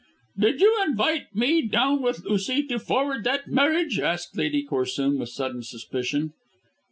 "Did you invite me down with Lucy to forward that marriage?" asked Lady Corsoon with sudden suspicion.